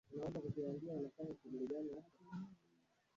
hasa muziki Miaka ya elfu moja mia tisa sabini manju Kool Herc akiwa